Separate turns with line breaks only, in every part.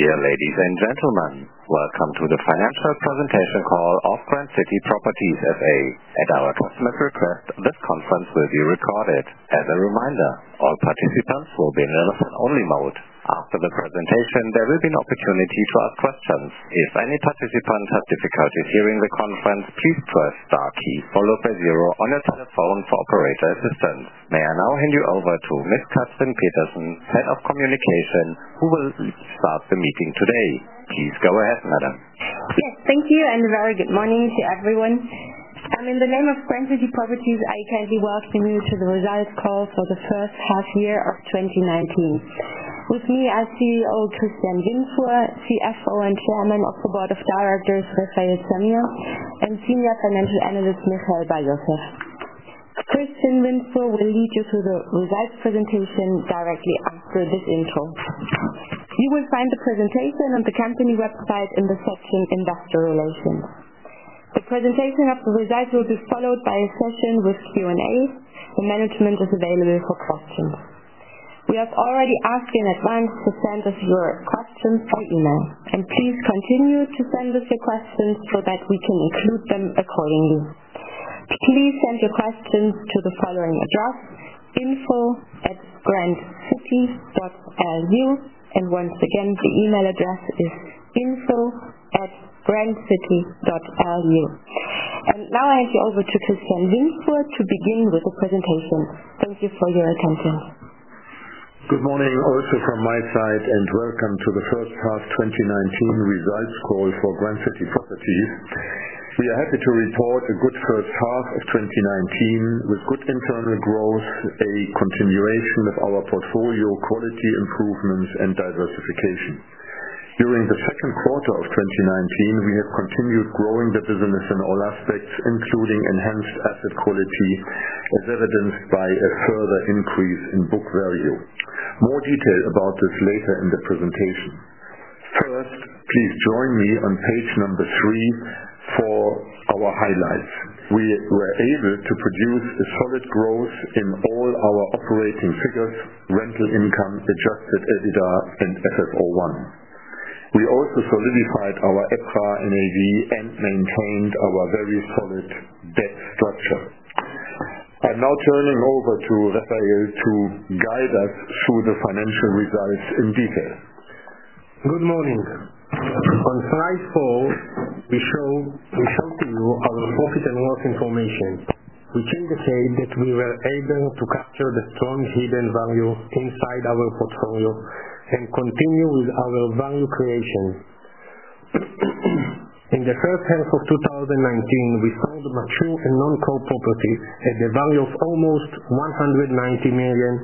Dear ladies and gentlemen, welcome to the financial presentation call of Grand City Properties S.A. At our customers' request, this conference will be recorded. As a reminder, all participants will be in a listen-only mode. After the presentation, there will be an opportunity to ask questions. If any participant has difficulties hearing the conference, please press star key followed by zero on your telephone for operator assistance. May I now hand you over to Ms. Katrin Petersen, Head of Communication, who will start the meeting today. Please go ahead, madam.
Yes. Thank you. A very good morning to everyone. In the name of Grand City Properties, I kindly welcome you to the results call for the first half year of 2019. With me are CEO Christian Windfuhr, CFO and Chairman of the Board of Directors, Refael Zamir, and Senior Financial Analyst, Michael Bar-Yosef. Christian Windfuhr will lead you through the results presentation directly after this intro. You will find the presentation on the company website in the section, Investor Relations. The presentation of the results will be followed by a session with Q&A. The management is available for questions. We have already asked you in advance to send us your questions by email. Please continue to send us your questions so that we can include them accordingly. Please send your questions to the following address, info@grandcity.lu. Once again, the email address is info@grandcity.lu. Now I hand you over to Christian Windfuhr to begin with the presentation. Thank you for your attention.
Good morning also from my side. Welcome to the first half 2019 results call for Grand City Properties. We are happy to report a good first half of 2019 with good internal growth, a continuation of our portfolio quality improvements, and diversification. During the second quarter of 2019, we have continued growing the business in all aspects, including enhanced asset quality, as evidenced by a further increase in book value. More detail about this later in the presentation. First, please join me on page number three for our highlights. We were able to produce a solid growth in all our operating figures, rental income, adjusted EBITDA, and FFO1. We also solidified our EPRA NAV and maintained our very solid debt structure. I'm now turning over to Refael to guide us through the financial results in detail.
Good morning. On slide four, we show to you our profit and loss information. We can say that we were able to capture the strong hidden value inside our portfolio and continue with our value creation. In the first half of 2019, we sold mature and non-core properties at the value of almost 190 million.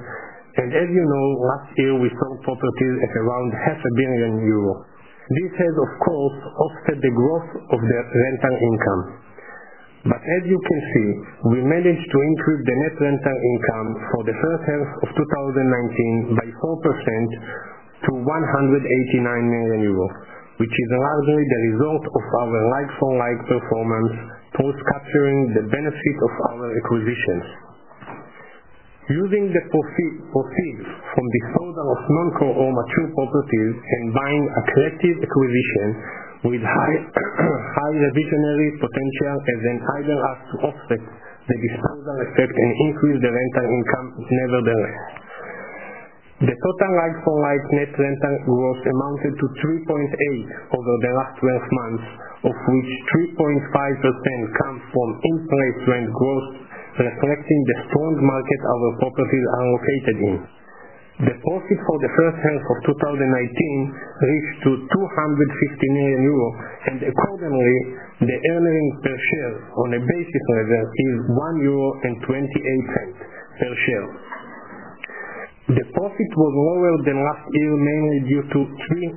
As you know, last year, we sold properties at around half a billion EUR. This has, of course, offset the growth of the rental income. But as you can see, we managed to increase the net rental income for the first half of 2019 by 4% to 189 million euros. Which is largely the result of our like-for-like performance, post capturing the benefit of our acquisitions. Using the proceeds from disposal of non-core or mature properties and buying attractive acquisition with high revisionary potential has enabled us to offset the disposal effect and increase the rental income nevertheless. The total like-for-like net rental growth amounted to 3.8% over the last 12 months, of which 3.5% comes from in-place rent growth, reflecting the strong market our properties are located in. The profit for the first half of 2019 reached to 250 million euros, and accordingly, the earnings per share on a basic level is 1.28 euro per share. The profit was lower than last year, mainly due to 339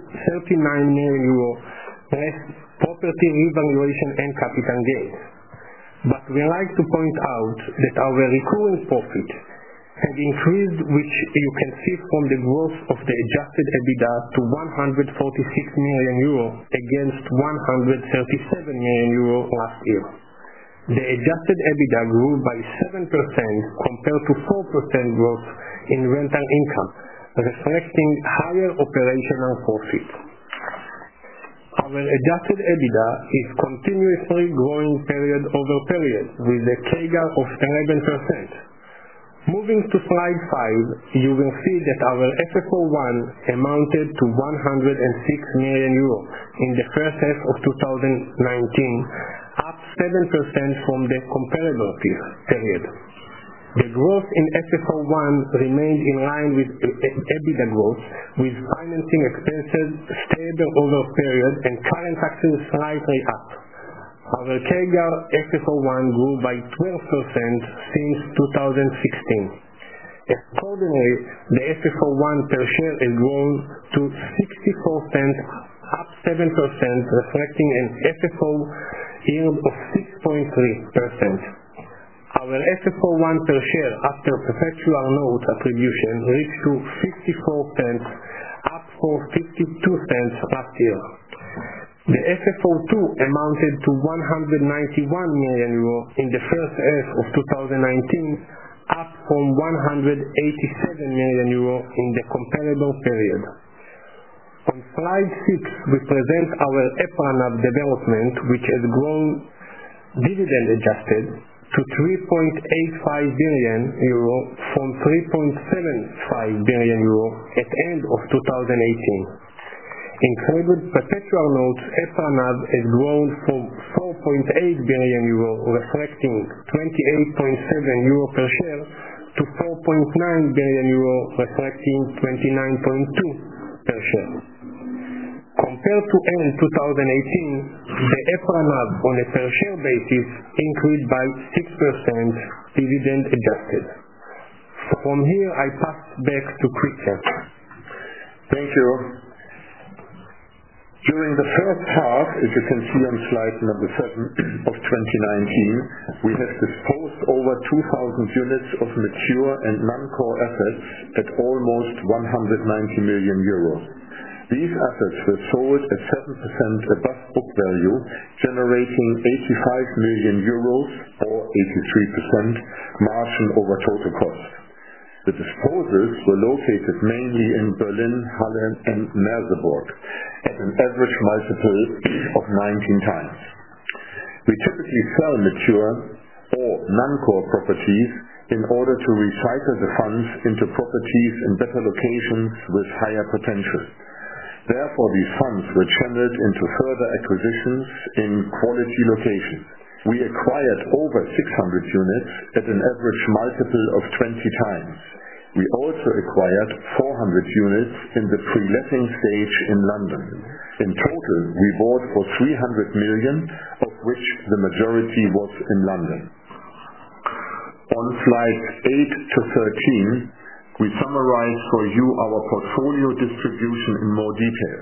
million euros less property revaluation and capital gains. But we like to point out that our recurring profit has increased, which you can see from the growth of the adjusted EBITDA to 146 million euro against 137 million euro last year. The adjusted EBITDA grew by 7% compared to 4% growth in rental income, reflecting higher operational profit. Our adjusted EBITDA is continuously growing period over period with a CAGR of 11%. Moving to slide five, you will see that our FFO1 amounted to 106 million euros in the first half of 2019, up 7% from the comparable period. The growth in FFO1 remained in line with EBITDA growth, with financing expenses stable over the period and current taxes slightly up. Our CAGR FFO1 grew by 12% since 2016. Accordingly, the FFO1 per share has grown to 0.64, up 7%, reflecting a FFO yield of 6.3%. Our FFO1 per share after perpetual note attribution reached to 0.54, up from 0.52 last year. The FFO2 amounted to 191 million euro in the first half of 2019, up from 187 million euro in the comparable period. On slide six, we present our EPRA NAV development, which has grown dividend-adjusted to 3.85 billion euro from 3.75 billion euro at the end of 2018. Including perpetual notes, EPRA NAV has grown from 4.8 billion euro, reflecting 28.7 euro per share, to 4.9 billion euro, reflecting 29.2 per share. Compared to end 2018, the EPRA NAV on a per share basis increased by 6% dividend adjusted. From here, I pass back to Christian.
Thank you. During the first half, as you can see on slide seven of 2019, we have disposed over 2,000 units of mature and non-core assets at almost 190 million euros. These assets were sold at 7% above book value, generating 85 million euros or 83% margin over total cost. The disposals were located mainly in Berlin, Halle, and Merseburg at an average multiple of 19 times. We typically sell mature or non-core properties in order to recycle the funds into properties in better locations with higher potential. Therefore, these funds were channeled into further acquisitions in quality locations. We acquired over 600 units at an average multiple of 20 times. We also acquired 400 units in the pre-letting stage in London. In total, we bought for 300 million, of which the majority was in London. On slides eight to 13, we summarize for you our portfolio distribution in more detail.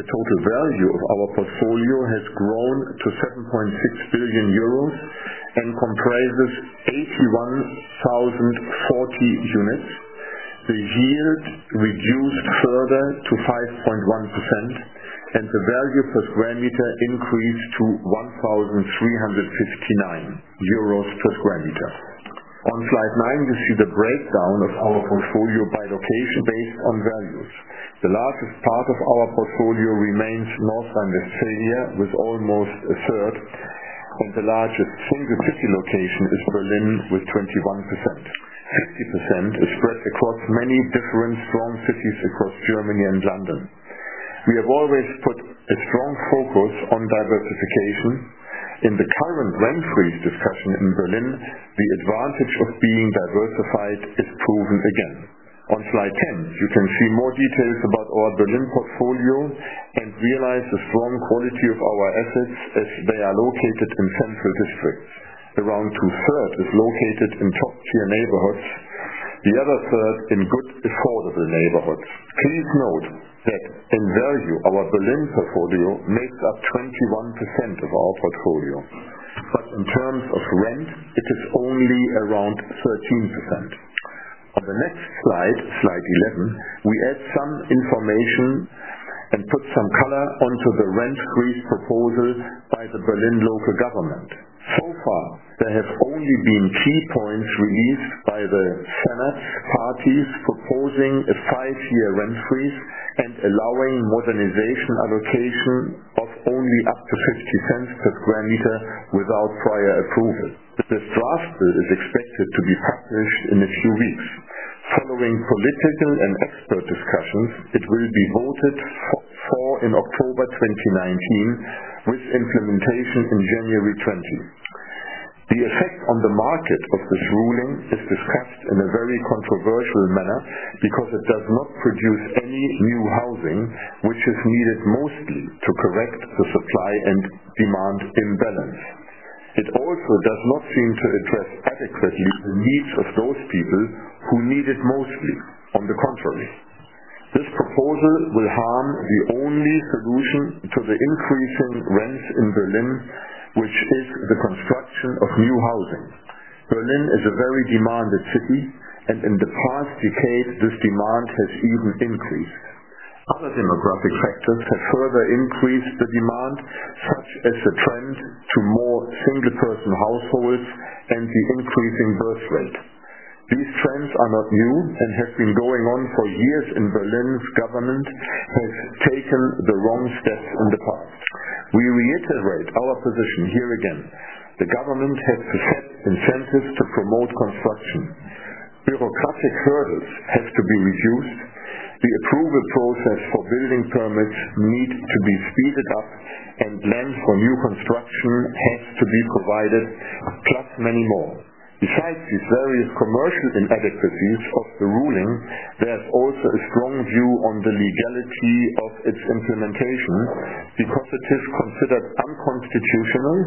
The total value of our portfolio has grown to 7.6 billion euros and comprises 81,040 units. The yield reduced further to 5.1%, and the value per square meter increased to 1,359 euros per square meter. On slide nine, we see the breakdown of our portfolio by location based on values. The largest part of our portfolio remains North Rhine-Westphalia with almost a third, and the largest single city location is Berlin with 21%. 60% is spread across many different strong cities across Germany and London. We have always put a strong focus on diversification. In the current rent freeze discussion in Berlin, the advantage of being diversified is proven again. On slide 10, you can see more details about our Berlin portfolio and realize the strong quality of our assets as they are located in central districts. Around two-thirds is located in top-tier neighborhoods, the other third in good affordable neighborhoods. Please note that in value, our Berlin portfolio makes up 21% of our portfolio, but in terms of rent, it is only around 13%. On the next slide 11, we add some information and put some color onto the rent freeze proposals by the Berlin local government. So far, there have only been key points released by the Senate parties proposing a five-year rent freeze and allowing modernization allocation of only up to 0.50 per square meter without prior approval. This draft bill is expected to be published in a few weeks. Following political and expert discussions, it will be voted for in October 2019, with implementation in January 2020. The effect on the market of this ruling is discussed in a very controversial manner because it does not produce any new housing, which is needed mostly to correct the supply and demand imbalance. It also does not seem to address adequately the needs of those people who need it mostly. On the contrary, this proposal will harm the only solution to the increasing rents in Berlin, which is the construction of new housing. Berlin is a very demanded city, and in the past decade, this demand has even increased. Other demographic factors have further increased the demand, such as the trend to more single-person households and the increasing birth rate. These trends are not new and have been going on for years, and Berlin's government has taken the wrong steps in the past. We reiterate our position here again. The government has to set incentives to promote construction. Bureaucratic hurdles have to be reduced. The approval process for building permits need to be speeded up, and land for new construction has to be provided, plus many more. Besides these various commercial inadequacies of the ruling, there is also a strong view on the legality of its implementation because it is considered unconstitutional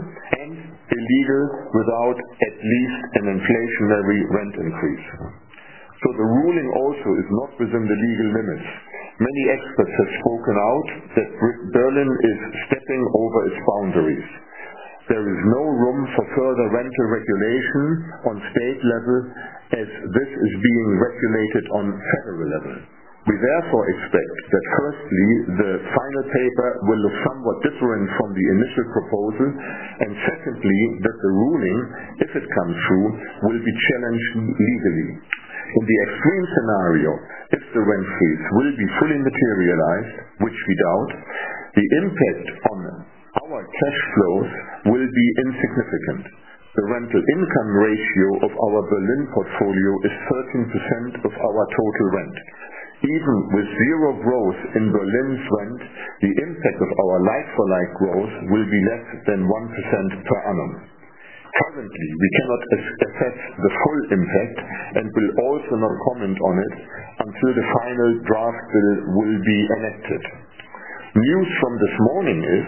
and illegal without at least an inflationary rent increase. The ruling also is not within the legal limits. Many experts have spoken out that Berlin is stepping over its boundaries. There is no room for further rental regulation on state level as this is being regulated on federal level. We therefore expect that firstly, the final paper will look somewhat different from the initial proposal, and secondly, that the ruling, if it comes through, will be challenged legally. In the extreme scenario, if the rent freeze will be fully materialized, which we doubt, the impact on our cash flows will be insignificant. The rental income ratio of our Berlin portfolio is 13% of our total rent. Even with zero growth in Berlin's rent, the impact of our like-for-like growth will be less than 1% per annum. Currently, we cannot assess the full impact and will also not comment on it until the final draft bill will be enacted. News from this morning is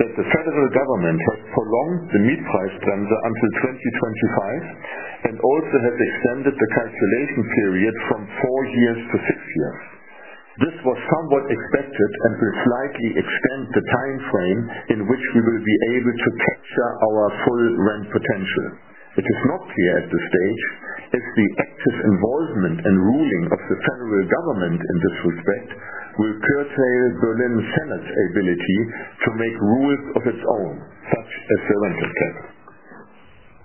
that the federal government has prolonged the Mietpreisbremse until 2025 and also has extended the calculation period from four years to six years. This was somewhat expected and will slightly extend the timeframe in which we will be able to capture our full rent potential. It is not clear at this stage if the active involvement and ruling of the federal government in this respect will curtail Berlin Senate's ability to make rules of its own, such as the Mietendeckel.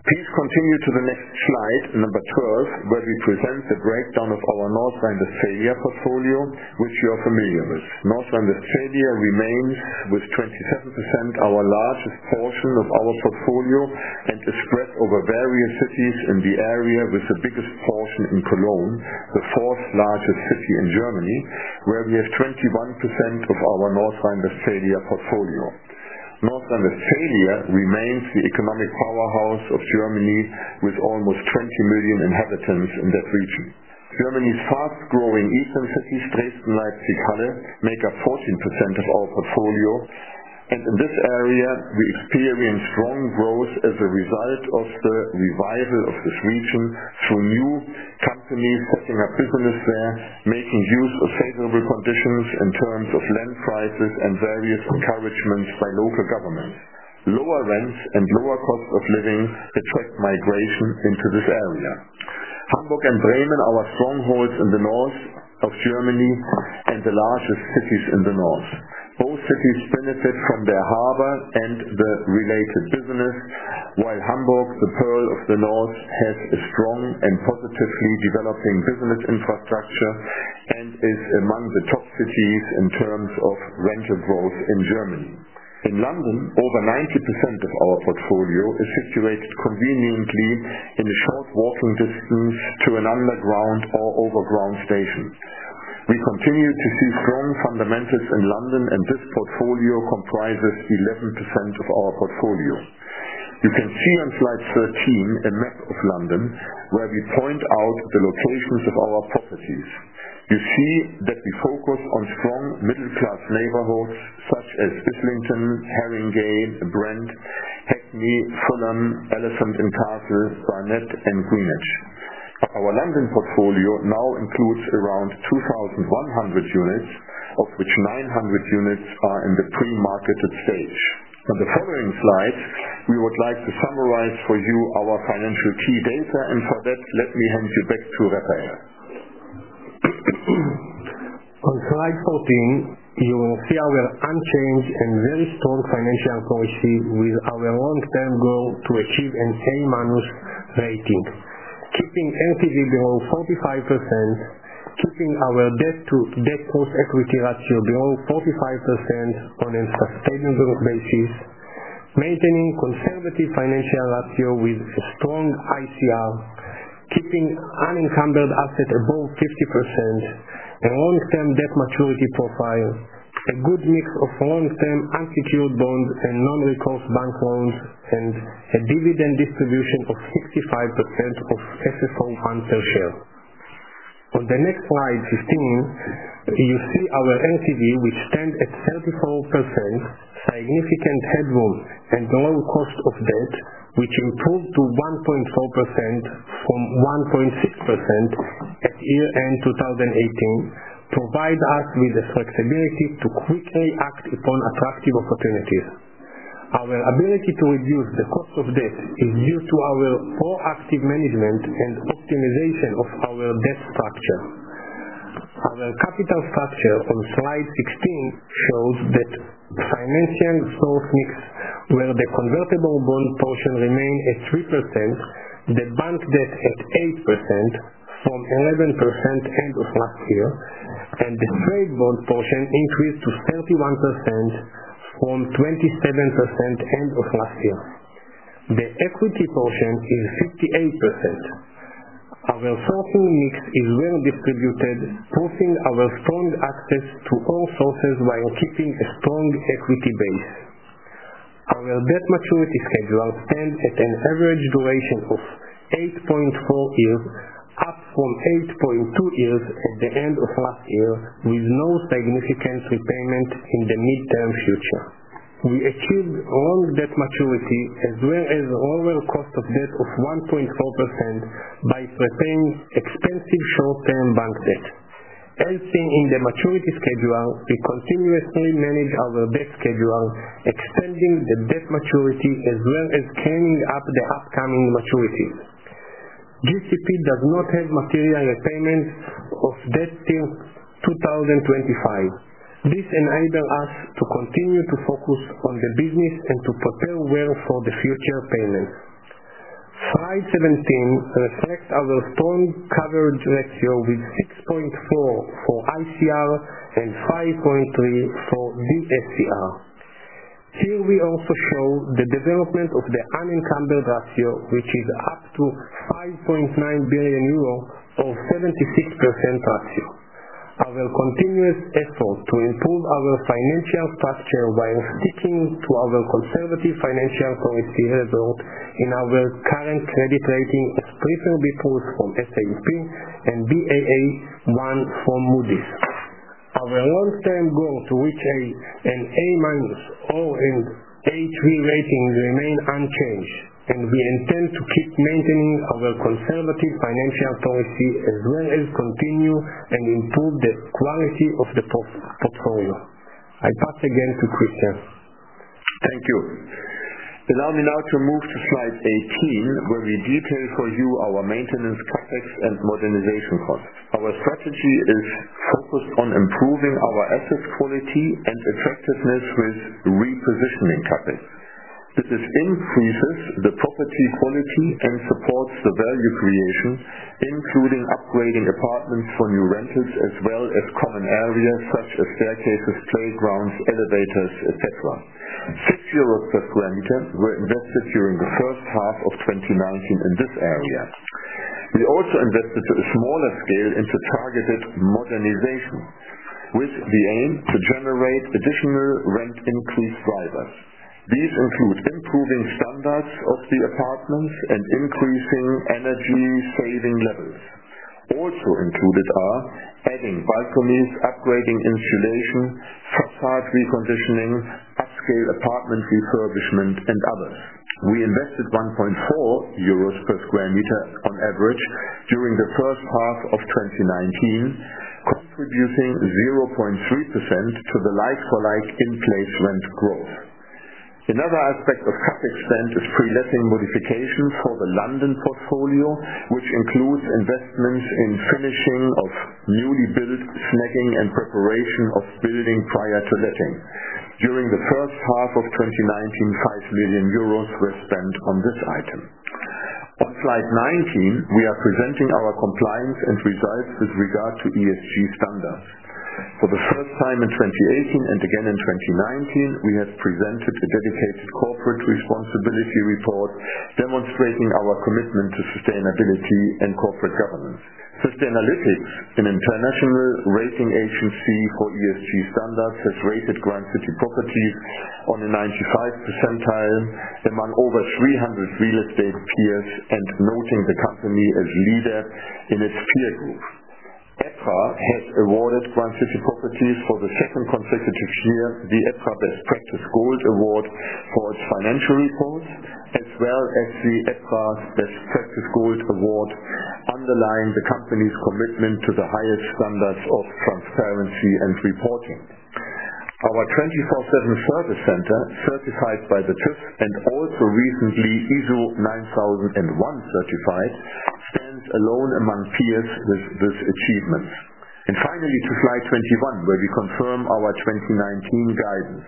Please continue to the next slide 12, where we present the breakdown of our North Rhine-Westphalia portfolio, which you are familiar with. North Rhine-Westphalia remains with 27% our largest portion of our portfolio and is spread over various cities in the area with the biggest portion in Cologne, the fourth largest city in Germany, where we have 21% of our North Rhine-Westphalia portfolio. North Rhine-Westphalia remains the economic powerhouse of Germany with almost 20 million inhabitants in that region. Germany's fast-growing eastern cities, Dresden, Leipzig, Halle, make up 14% of our portfolio, and in this area, we experience strong growth as a result of the revival of this region through new companies setting up business there, making use of favorable conditions in terms of land prices and various encouragements by local government. Lower rents and lower cost of living attract migration into this area. Hamburg and Bremen are strongholds in the north of Germany and the largest cities in the north. Both cities benefit from their harbors and the related business, while Hamburg, the Pearl of the North, has a strong and positively developing business infrastructure and is among the top cities in terms of rental growth in Germany. In London, over 90% of our portfolio is situated conveniently in a short walking distance to an underground or overground station. We continue to see strong fundamentals in London, and this portfolio comprises 11% of our portfolio. You can see on slide 13 a map of London, where we point out the locations of our properties. You see that we focus on strong middle-class neighborhoods such as Islington, Haringey, Brent, Hackney, Fulham, Elephant and Castle, Barnet, and Greenwich. Our London portfolio now includes around 2,100 units, of which 900 units are in the pre-marketed stage. On the following slide, we would like to summarize for you our financial key data. For that, let me hand you back to Refael.
On slide 14, you will see our unchanged and very strong financial policy with our long-term goal to achieve an A- rating. Keeping NPV below 45%, keeping our debt-to-equity ratio below 45% on a sustainable basis, maintaining conservative financial ratio with a strong ICR, keeping unencumbered asset above 50%, a long-term debt maturity profile, a good mix of long-term unsecured bonds and non-recourse bank loans, and a dividend distribution of 65% of FFO per share. On the next slide, 15, you see our NPV, which stands at 34%, significant headroom, and low cost of debt, which improved to 1.4% from 1.6% at year-end 2018, provide us with the flexibility to quickly act upon attractive opportunities. Our ability to reduce the cost of debt is due to our proactive management and optimization of our debt structure. Our capital structure on slide 16 shows that financing source mix, where the convertible bond portion remained at 3%, the bank debt at 8% from 11% end of last year, and the trade bond portion increased to 31% from 27% end of last year. The equity portion is 58%. Our sourcing mix is well distributed, proving our strong access to all sources while keeping a strong equity base. Our debt maturity schedule stands at an average duration of 8.4 years, up from 8.2 years at the end of last year, with no significant repayment in the midterm future. We achieved long debt maturity as well as lower cost of debt of 1.4% by repaying expensive short-term bank debt. Helping in the maturity schedule, we continuously manage our debt schedule, extending the debt maturity as well as cleaning up the upcoming maturities. GCP does not have material repayments of debt till 2025. This enables us to continue to focus on the business and to prepare well for the future payments. Slide 17 reflects our strong coverage ratio with 6.4 for ICR and 5.3 for DSCR. Here we also show the development of the unencumbered ratio, which is up to 5.9 billion euro or 76% ratio. Our continuous effort to improve our financial structure while sticking to our conservative financial policy result in our current credit rating of BBB+ from S&P and Baa1 from Moody's. Our long-term goal to reach an A- or an A3 rating remain unchanged. We intend to keep maintaining our conservative financial policy as well as continue and improve the quality of the portfolio. I pass again to Christian.
Thank you. Allow me now to move to slide 18, where we detail for you our maintenance CapEx and modernization costs. Our strategy is focused on improving our asset quality and effectiveness with repositioning CapEx. This increases the property quality and supports the value creation, including upgrading apartments for new rentals as well as common areas such as staircases, playgrounds, elevators, et cetera. EUR 60 per square meter were invested during the first half of 2019 in this area. We also invested to a smaller scale into targeted modernization with the aim to generate additional rent increase drivers. These include improving standards of the apartments and increasing energy saving levels. Also included are adding balconies, upgrading insulation, façade reconditioning, upscale apartment refurbishment, and others. We invested 1.4 euros per square meter on average during the first half of 2019, contributing 0.3% to the like-for-like in place rent growth. Another aspect of CapEx spend is pre-letting modifications for the London portfolio, which includes investments in finishing of newly built, snagging, and preparation of building prior to letting. During the first half of 2019, 5 million euros were spent on this item. On slide 19, we are presenting our compliance and results with regard to ESG standards. For the first time in 2018 and again in 2019, we have presented a dedicated corporate responsibility report demonstrating our commitment to sustainability and corporate governance. Sustainalytics, an international rating agency for ESG standards, has rated Grand City Properties on the 95th percentile among over 300 real estate peers and noting the company as leader in its peer group. EPRA has awarded Grand City Properties for the second consecutive year, the EPRA Best Practice Gold Award for its financial report, as well as the EPRA Best Practice Gold Award, underlying the company's commitment to the highest standards of transparency and reporting. Our 24/7 service center, certified by the TÜV and also recently ISO 9001 certified, stands alone among peers with this achievement. Finally, to slide 21, where we confirm our 2019 guidance.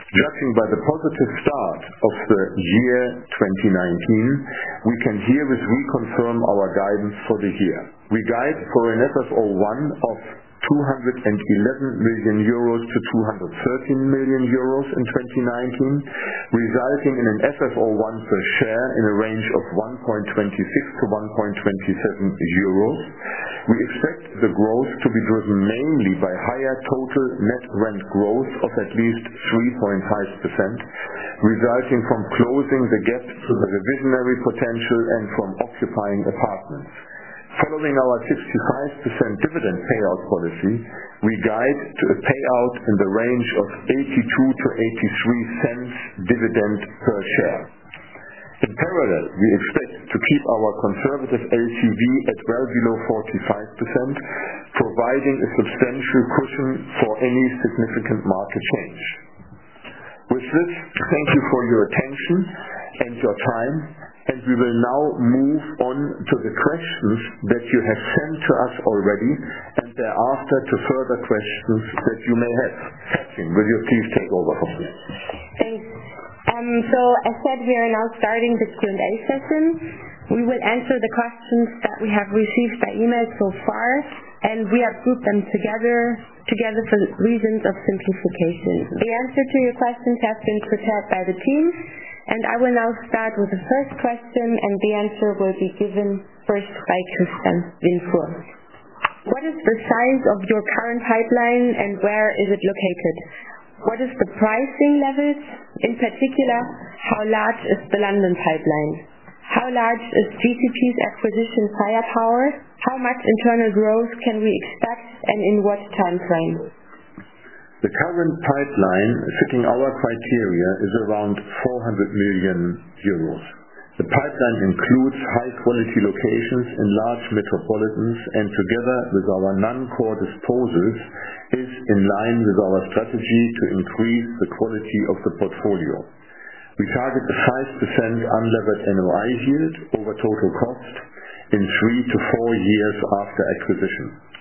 Judging by the positive start of the year 2019, we can herewith reconfirm our guidance for the year. We guide for an FFO1 of 211 million euros to 213 million euros in 2019, resulting in an FFO1 per share in a range of 1.26 to 1.27 euros. We expect the growth to be driven mainly by higher total net rent growth of at least 3.5%, resulting from closing the gap to the revisionary potential and from occupying apartments. Following our 65% dividend payout policy, we guide to a payout in the range of 0.82 to 0.83 dividend per share. In parallel, we expect to keep our conservative LTV at well below 45%, providing a substantial cushion for any significant market change. With this, thank you for your attention and your time, and we will now move on to the questions that you have sent to us already, and thereafter, to further questions that you may have. Kerstin, will you please take over from me?
Thanks. As said, we are now starting the Q&A session. We will answer the questions that we have received by email so far. We have grouped them together for reasons of simplification. The answer to your questions have been prepared by the team. I will now start with the first question, and the answer will be given first by Christian, then Flo. What is the size of your current pipeline and where is it located? What is the pricing levels? In particular, how large is the London pipeline? How large is GCP's acquisition firepower? How much internal growth can we expect and in what timeframe?
The current pipeline fitting our criteria is around 400 million euros. The pipeline includes high-quality locations in large metropolitans. Together with our non-core disposals, is in line with our strategy to increase the quality of the portfolio. We target a 5% unlevered NOI yield over total cost in three to four years after acquisition.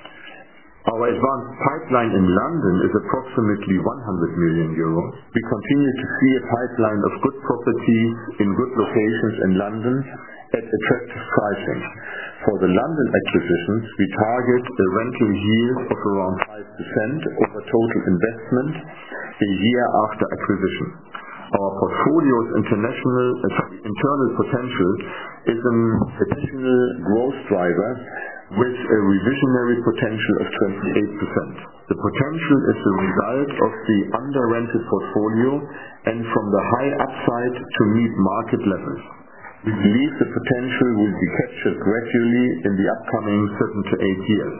Our advanced pipeline in London is approximately 100 million euros. We continue to see a pipeline of good properties in good locations in London at attractive pricing. For the London acquisitions, we target a rental yield of around 5% over total investment a year after acquisition. Our portfolio's internal potential is an additional growth driver with a revisionary potential of 28%. The potential is the result of the under-rented portfolio and from the high upside to meet market levels. We believe the potential will be captured gradually in the upcoming seven to eight years.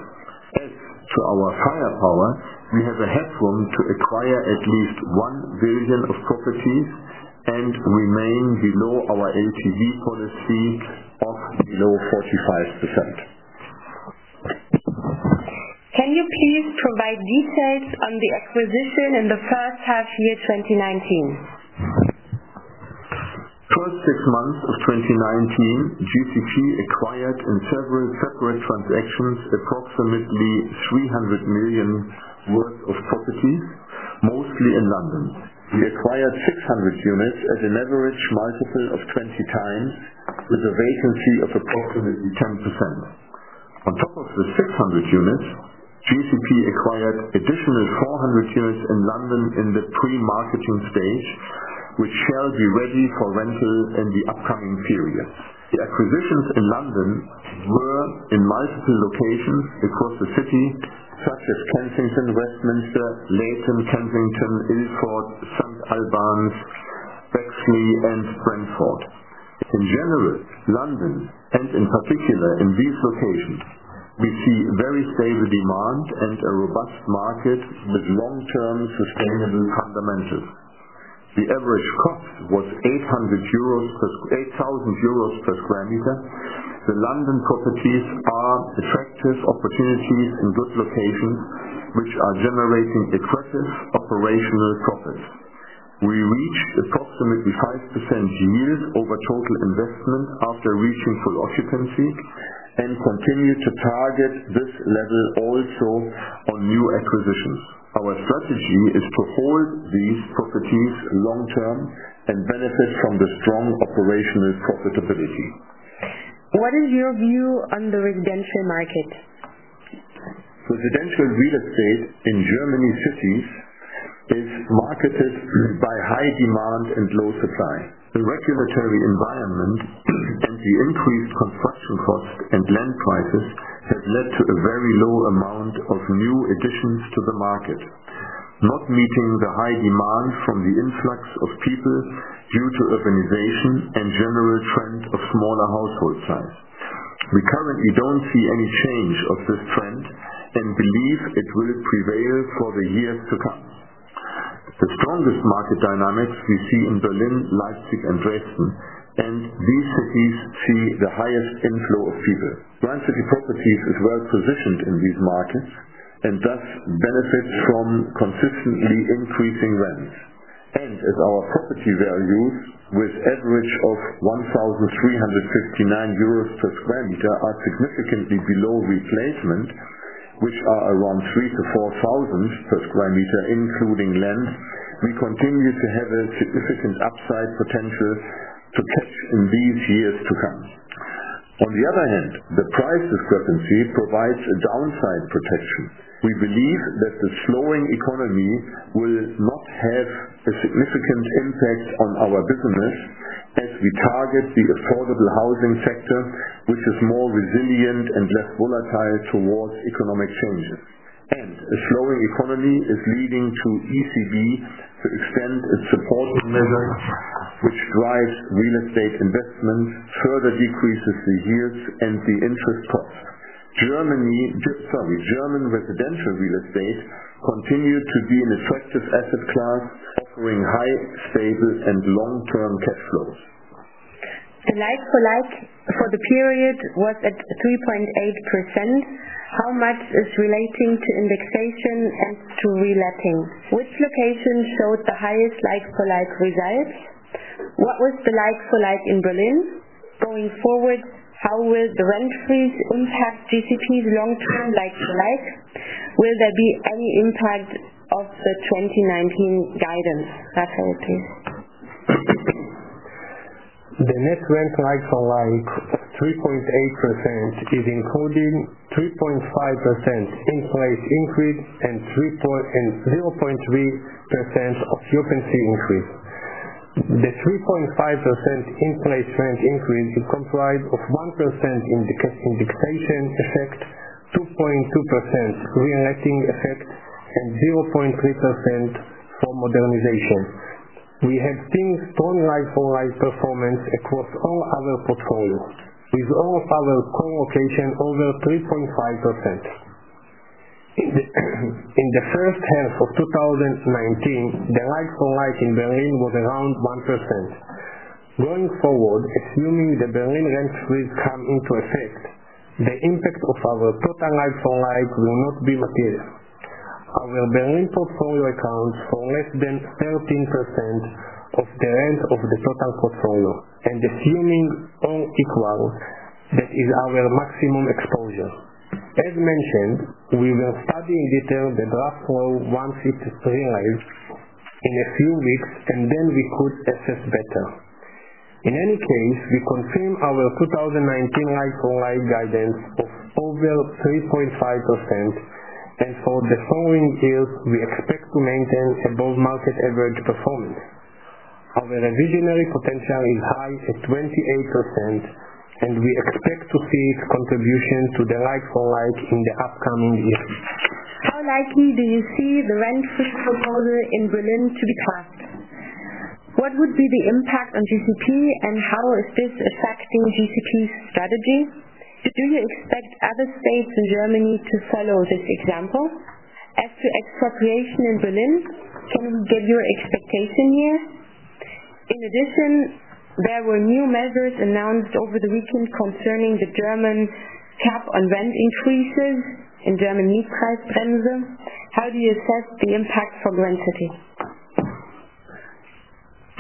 As to our firepower, we have a headroom to acquire at least 1 billion of properties and remain below our LTV policy of below 45%.
Can you please provide details on the acquisition in the first half year 2019?
First six months of 2019, GCP acquired in several separate transactions, approximately 300 million worth of property, mostly in London. We acquired 600 units at an average multiple of 20 times, with a vacancy of approximately 10%. On top of the 600 units, GCP acquired additional 400 units in London in the pre-marketing stage, which shall be ready for rental in the upcoming period. The acquisitions in London were in multiple locations across the city, such as Kensington, Westminster, Lewisham, Camden, Ilford, St. Albans, Bexley, and Brentford. In general, London, and in particular in these locations, we see very stable demand and a robust market with long-term sustainable fundamentals. The average cost was 8,000 euros per sq m. The London properties are attractive opportunities in good locations, which are generating attractive operational profits. We reach approximately 5% yield over total investment after reaching full occupancy and continue to target this level also on new acquisitions. Our strategy is to hold these properties long-term and benefit from the strong operational profitability.
What is your view on the residential market?
Residential real estate in Germany cities is marketed by high demand and low supply. The regulatory environment and the increased construction costs and land prices have led to a very low amount of new additions to the market, not meeting the high demand from the influx of people due to urbanization and general trend of smaller household size. We currently don't see any change of this trend and believe it will prevail for the years to come. The strongest market dynamics we see in Berlin, Leipzig, and Dresden, and these cities see the highest inflow of people. Grand City Properties is well-positioned in these markets and thus benefits from consistently increasing rents. As our property values, with average of 1,359 euros per square meter, are significantly below replacement, which are around 3,000 to 4,000 per square meter, including land, we continue to have a significant upside potential to take in these years to come. On the other hand, the price discrepancy provides a downside protection. We believe that the slowing economy will not have a significant impact on our business as we target the affordable housing sector, which is more resilient and less volatile towards economic changes. A slowing economy is leading to ECB to extend its supportive measures, which drives real estate investment, further decreases the yields and the interest costs. German residential real estate continue to be an attractive asset class, offering high, stable, and long-term cash flows.
The like-for-like for the period was at 3.8%. How much is relating to indexation and to reletting? Which location showed the highest like-for-like results? What was the like-for-like in Berlin? Going forward, how will the rent freeze impact GCP's long-term like-for-like? Will there be any impact of the 2019 guidance? Thank you.
The net rent like-for-like, 3.8%, is including 3.5% in-place increase and 0.3% occupancy increase. The 3.5% in-place rent increase is comprised of 1% indexation effect, 2.2% reletting effect, and 0.3% for modernization.
We have seen strong like-for-like performance across all other portfolios, with all other co-location over 3.5%. In the first half of 2019, the like-for-like in Berlin was around 1%. Going forward, assuming the Berlin rent freeze comes into effect, the impact of our total like-for-like will not be material. Our Berlin portfolio accounts for less than 13% of the rent of the total portfolio, and assuming all equal, that is our maximum exposure. As mentioned, we were studying in detail the draft law 153 live in a few weeks, and then we could assess better. In any case, we confirm our 2019 like-for-like guidance of over 3.5%, and for the following years, we expect to maintain above market average performance. Our revisionary potential is high at 28%, and we expect to see its contribution to the like-for-like in the upcoming years.
How likely do you see the rent freeze proposal in Berlin to be passed? What would be the impact on GCP, and how is this affecting GCP's strategy? Do you expect other states in Germany to follow this example? As to expropriation in Berlin, can you give your expectation here? In addition, there were new measures announced over the weekend concerning the German cap on rent increases in German Mietpreisbremse. How do you assess the impact for Grand City?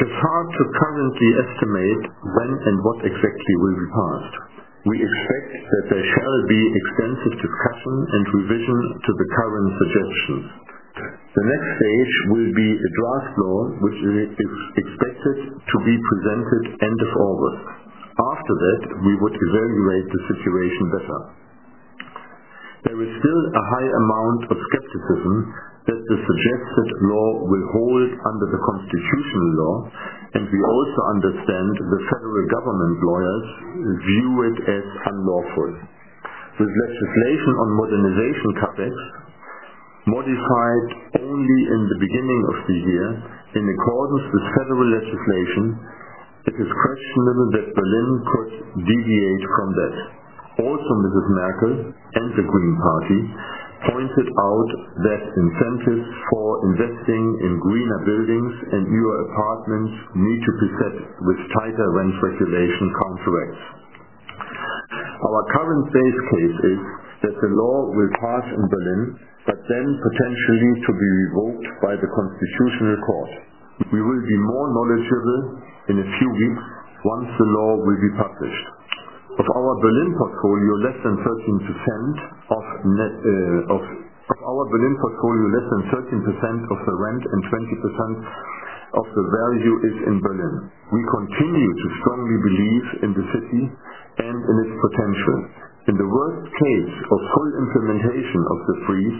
It's hard to currently estimate when and what exactly will be passed. We expect that there shall be extensive discussion and revision to the current suggestions. The next stage will be a draft law, which is expected to be presented end of August. After that, we would evaluate the situation better. There is still a high amount of skepticism that the suggested law will hold under the constitutional law, and we also understand the federal government lawyers view it as unlawful. With legislation on modernization topics modified only in the beginning of the year in accordance with federal legislation, it is questionable that Berlin could deviate from that. Also, Mrs. Merkel and the Green Party pointed out that incentives for investing in greener buildings and newer apartments need to be set with tighter rent regulation contracts. Our current base case is that the law will pass in Berlin, but then potentially to be revoked by the Federal Constitutional Court. We will be more knowledgeable in a few weeks once the law will be published. Of our Berlin portfolio, less than 13% of the rent and 20% of the value is in Berlin. We continue to strongly believe in the city and in its potential. In the worst case of full implementation of the freeze,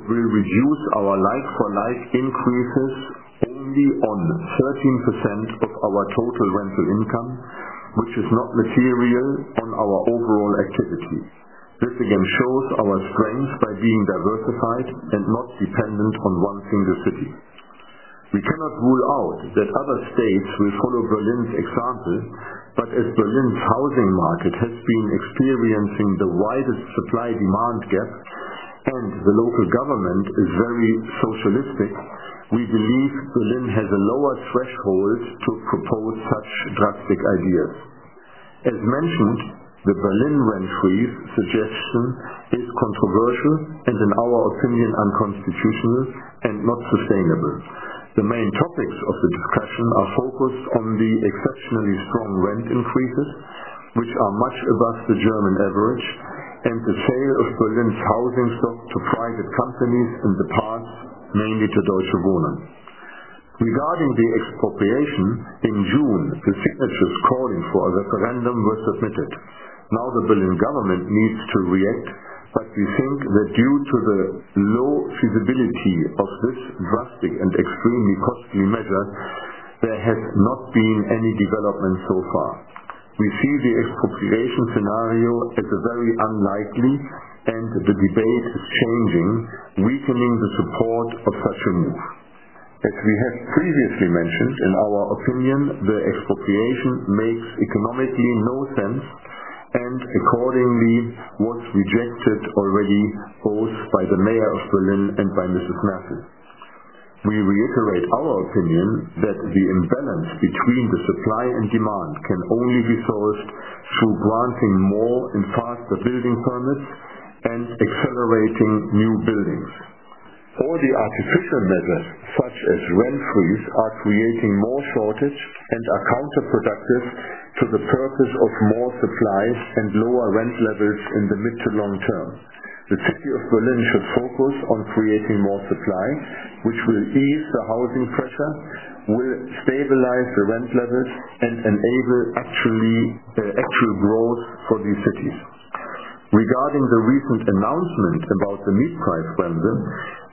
it will reduce our like-for-like increases only on 13% of our total rental income, which is not material on our overall activity. This again shows our strength by being diversified and not dependent on one single city. We cannot rule out that other states will follow Berlin's example, but as Berlin's housing market has been experiencing the widest supply-demand gap and the local government is very socialistic, we believe Berlin has a lower threshold to propose such drastic ideas. As mentioned, the Berlin rent freeze suggestion is controversial and, in our opinion, unconstitutional and not sustainable. The main topics of the discussion are focused on the exceptionally strong rent increases, which are much above the German average, and the sale of Berlin's housing stock to private companies in the past, mainly to Deutsche Wohnen. Regarding the expropriation, in June, the signatures calling for a referendum were submitted. Now the Berlin government needs to react, but we think that due to the low feasibility of this drastic and extremely costly measure, there has not been any development so far. We see the expropriation scenario as very unlikely. The debate is changing, weakening the support of such a move. As we have previously mentioned, in our opinion, the expropriation makes economically no sense. Accordingly, was rejected already both by the mayor of Berlin and by Mrs. Merkel. We reiterate our opinion that the imbalance between the supply and demand can only be sourced through granting more and faster building permits and accelerating new buildings. All the artificial measures, such as rent freeze, are creating more shortage and are counterproductive to the purpose of more supply and lower rent levels in the mid to long term. The City of Berlin should focus on creating more supply, which will ease the housing pressure, will stabilize the rent levels, and enable actual growth for these cities. Regarding the recent announcement about the Mietpreisbremse,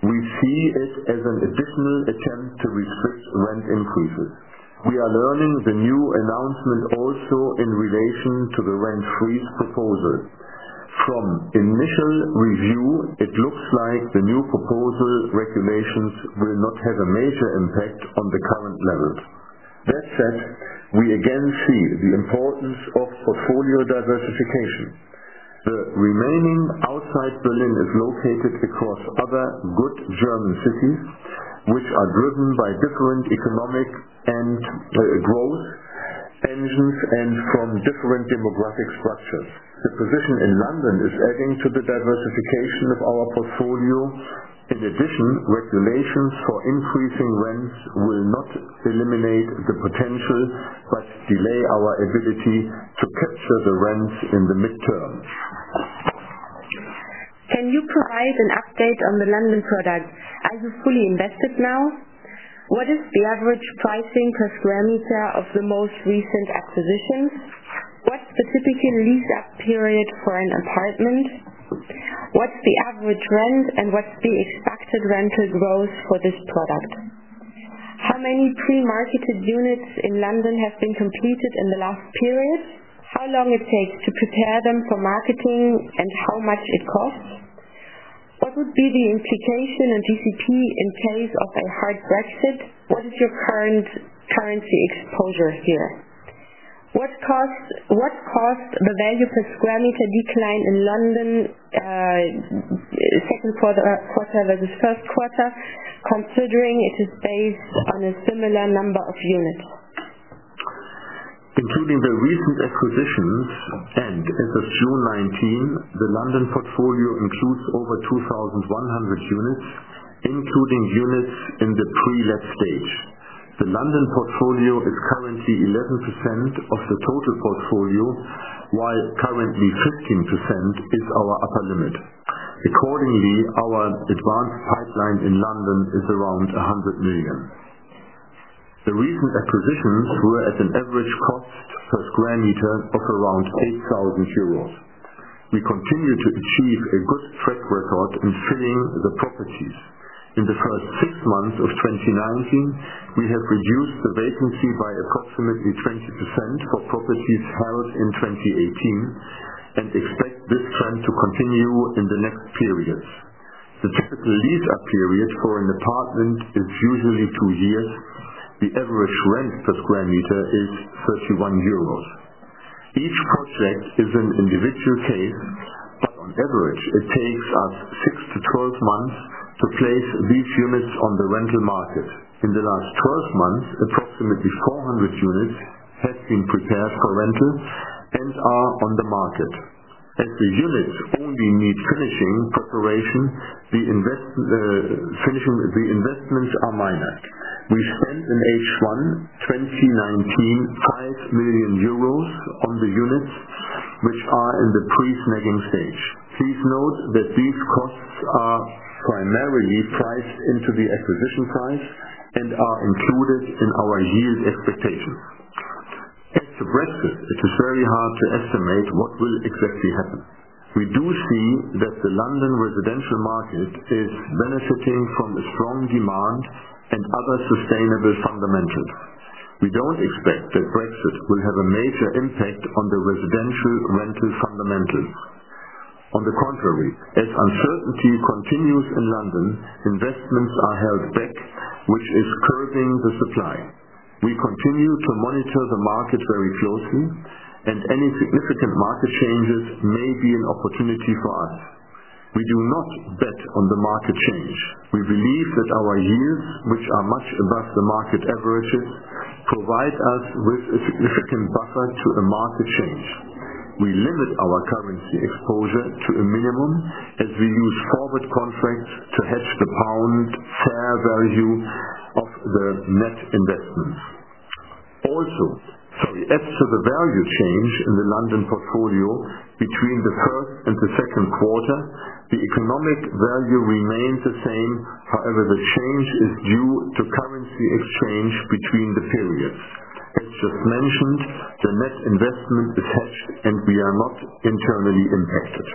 we see it as an additional attempt to restrict rent increases. We are learning the new announcement also in relation to the rent freeze proposal. From initial review, it looks like the new proposal regulations will not have a major impact on the current levels. That said, we again see the importance of portfolio diversification. The remaining outside Berlin is located across other good German cities, which are driven by different economic and growth engines and from different demographic structures. The position in London is adding to the diversification of our portfolio. In addition, regulations for increasing rents will not eliminate the potential, but delay our ability to capture the rents in the midterm.
Can you provide an update on the London product as it's fully invested now? What is the average pricing per square meter of the most recent acquisitions? What's specifically lease-up period for an apartment? What's the average rent and what's the expected rental growth for this product? How many pre-marketed units in London have been completed in the last period, how long it takes to prepare them for marketing, and how much it costs? What would be the implication on GCP in case of a hard Brexit? What is your current currency exposure here? What caused the value per square meter decline in London second quarter versus first quarter, considering it is based on a similar number of units?
Including the recent acquisitions. As of June 2019, the London portfolio includes over 2,100 units, including units in the pre-let stage. The London portfolio is currently 11% of the total portfolio, while currently 15% is our upper limit. Accordingly, our advanced pipeline in London is around 100 million. The recent acquisitions were at an average cost per square meter of around 8,000 euros. We continue to achieve a good track record in filling the properties. In the first six months of 2019, we have reduced the vacancy by approximately 20% for properties held in 2018, and expect this trend to continue in the next periods. The typical lease-up period for an apartment is usually two years. The average rent per square meter is 31 euros. Each project is an individual case, but on average, it takes us six to 12 months to place these units on the rental market. In the last 12 months, approximately 400 units have been prepared for rental and are on the market. As the units only need finishing preparation, the investments are minor. We spent in H1 2019, 5 million euros on the units, which are in the pre-snagging stage. Please note that these costs are primarily priced into the acquisition price and are included in our yield expectations. As to Brexit, it is very hard to estimate what will exactly happen. We do see that the London residential market is benefiting from a strong demand and other sustainable fundamentals. We don't expect that Brexit will have a major impact on the residential rental fundamentals. On the contrary, as uncertainty continues in London, investments are held back, which is curbing the supply. We continue to monitor the market very closely, and any significant market changes may be an opportunity for us. We do not bet on the market change. We believe that our yields, which are much above the market averages, provide us with a significant buffer to a market change. We limit our currency exposure to a minimum as we use forward contracts to hedge the pound fair value of the net investment. Also, as to the value change in the London portfolio between the first and the second quarter, the economic value remains the same. The change is due to currency exchange between the periods. As just mentioned, the net investment is hedged, and we are not internally impacted.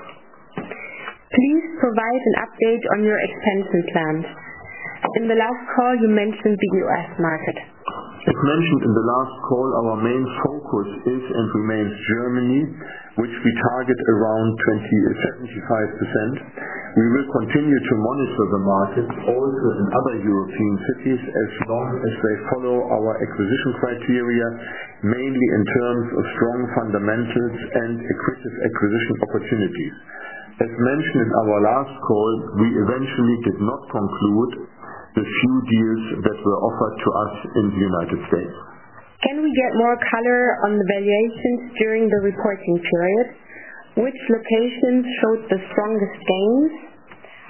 Please provide an update on your expansion plans. In the last call, you mentioned the U.S. market.
As mentioned in the last call, our main focus is and remains Germany, which we target around 75%. We will continue to monitor the market also in other European cities, as long as they follow our acquisition criteria, mainly in terms of strong fundamentals and acquisition opportunities. As mentioned in our last call, we eventually did not conclude the few deals that were offered to us in the U.S.
Can we get more color on the valuations during the reporting period? Which locations showed the strongest gains?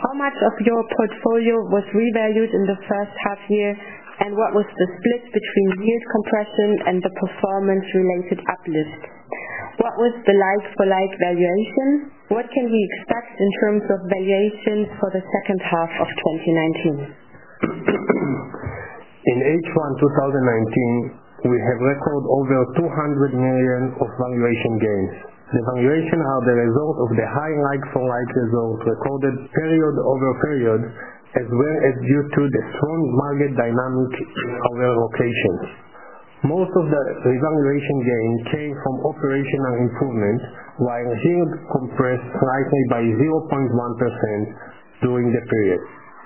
How much of your portfolio was revalued in the first half year, and what was the split between yield compression and the performance-related uplift? What was the like-for-like valuation? What can we expect in terms of valuations for the second half of 2019?
In H1 2019, we have record over 200 million of valuation gains. The valuation are the result of the high like-for-like results recorded period-over-period, as well as due to the strong market dynamic in our locations.
Most of the revaluation gain came from operational improvements, while yield compressed slightly by 0.1% during the period,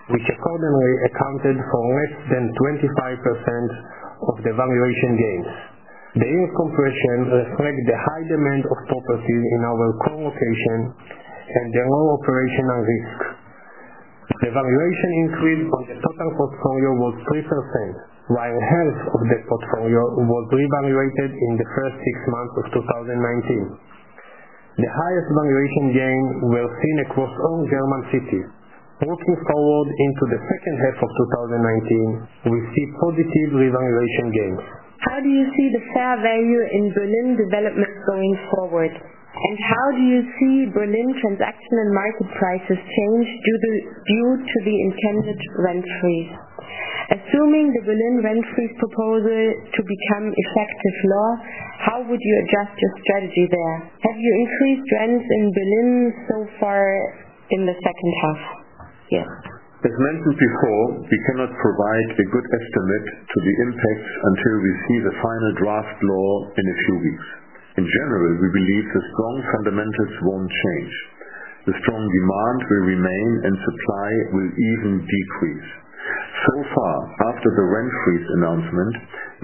which accordingly accounted for less than 25% of the valuation gains. The yield compression reflects the high demand of properties in our core location and the low operational risk. The valuation increase on the total portfolio was 3%, while half of the portfolio was revaluated in the first six months of 2019. The highest valuation gains were seen across all German cities. Looking forward into the second half of 2019, we see positive revaluation gains.
How do you see the fair value in Berlin development going forward? How do you see Berlin transaction and market prices change due to the intended rent freeze? Assuming the Berlin rent freeze proposal to become effective law, how would you adjust your strategy there? Have you increased rents in Berlin so far in the second half year?
As mentioned before, we cannot provide a good estimate to the impact until we see the final draft law in a few weeks. In general, we believe the strong fundamentals won't change. The strong demand will remain, and supply will even decrease. So far, after the rent freeze announcement,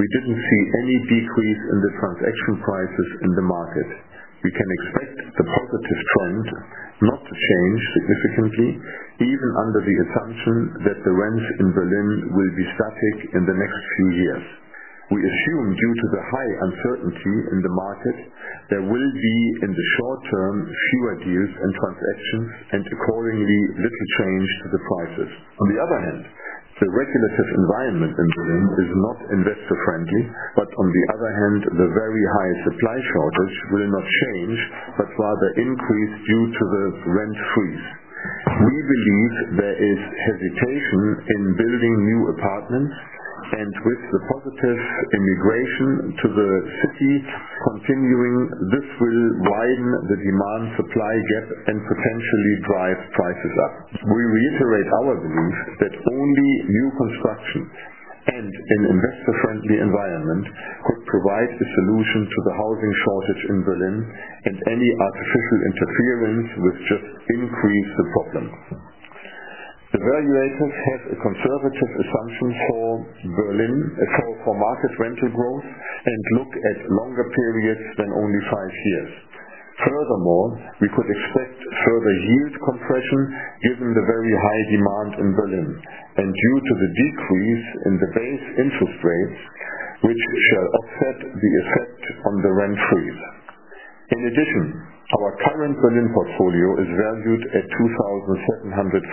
we didn't see any decrease in the transaction prices in the market. We can expect the positive trend not to change significantly, even under the assumption that the rents in Berlin will be static in the next few years. We assume, due to the high uncertainty in the market, there will be, in the short term, fewer deals and transactions, and accordingly, little change to the prices. On the other hand, the regulative environment in Berlin is not investor-friendly, but on the other hand, the very high supply shortage will not change, but rather increase due to the rent freeze. We believe there is hesitation in building new apartments, and with the positive immigration to the city continuing, this will widen the demand-supply gap and potentially drive prices up. We reiterate our belief that only new construction and an investor-friendly environment could provide a solution to the housing shortage in Berlin, and any artificial interference will just increase the problem. The valuators have a conservative assumption for market rental growth and look at longer periods than only five years. Furthermore, we could expect further yield compression given the very high demand in Berlin and due to the decrease in the base interest rates, which shall offset the effect on the rent freeze. In addition, our current Berlin portfolio is valued at 2,749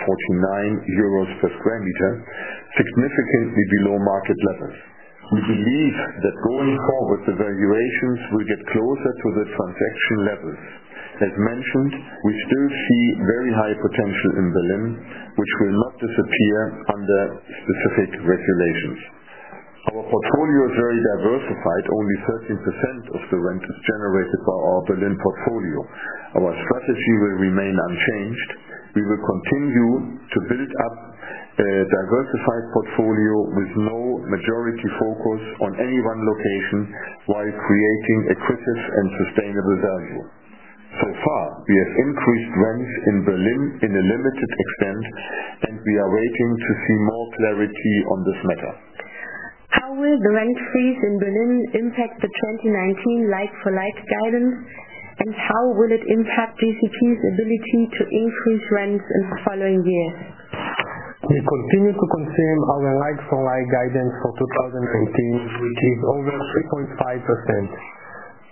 euros per square meter, significantly below market levels. We believe that going forward, the valuations will get closer to the transaction levels. As mentioned, we still see very high potential in Berlin, which will not disappear under specific regulations. Our portfolio is very diversified. Only 13% of the rent is generated by our Berlin portfolio. Our strategy will remain unchanged. We will continue to build up a diversified portfolio with no majority focus on any one location while creating accretive and sustainable value. So far, we have increased rents in Berlin in a limited extent, and we are waiting to see more clarity on this matter.
How will the rent freeze in Berlin impact the 2019 like-for-like guidance, and how will it impact GCP's ability to increase rents in the following years?
We continue to confirm our like-for-like guidance for 2019, which is over 3.5%.